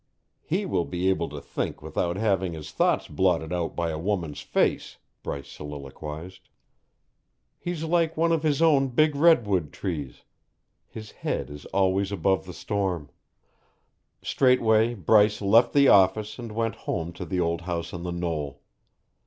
"He will be able to think without having his thoughts blotted out by a woman's face," Bryce soliloquized. "He's like one of his own big redwood trees; his head is always above the storm." Straightway Bryce left the office and went home to the old house on the knoll.